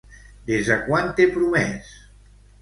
Des de quan té promès?